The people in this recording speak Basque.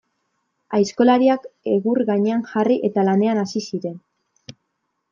Aizkolariak egur gainean jarri, eta lanean hasi ziren.